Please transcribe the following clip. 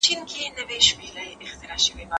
زه مېوې راټولې کړي دي!؟